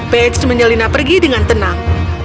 paige menyelinap pergi dengan tenang